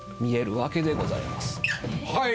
はい！